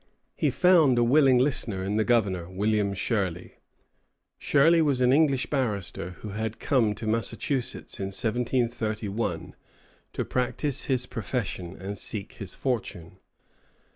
He found a willing listener in the Governor, William Shirley. Shirley was an English barrister who had come to Massachusetts in 1731 to practise his profession and seek his fortune.